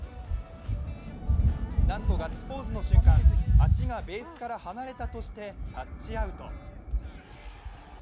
なんとガッツポーズの瞬間足がベースから離れたとしてタッチアウト。